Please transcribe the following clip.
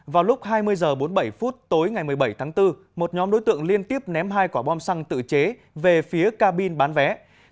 vào lúc hai mươi h bốn mươi bảy phút tối ngày một mươi bảy tháng bốn một nhóm đối tượng liên tiếp ném hai quả bom xăng tự chế về phía cabin bán vé